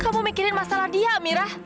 kamu mikirin masalah dia amira